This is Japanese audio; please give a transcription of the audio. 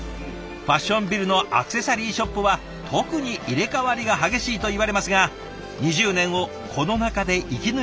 ファッションビルのアクセサリーショップは特に入れ代わりが激しいといわれますが２０年をこの中で生き抜いてきました。